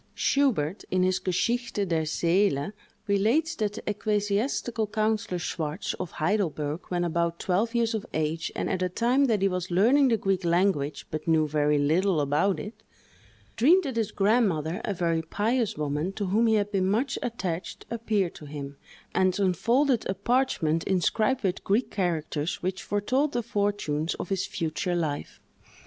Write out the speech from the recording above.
Schubert, in his "Geschichte der Seele," relates that the ecclesiastical councillor Schwartz, of Heidelberg, when about twelve years of age, and at a time that he was learning the Greek language, but knew very little about it, dreamed that his grandmother, a very pious woman, to whom he had been much attached, appeared to him, and unfolded a parchment inscribed with Greek characters which foretold the fortunes of his future life.